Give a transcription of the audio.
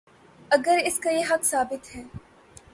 اگراس کا یہ حق ثابت ہے۔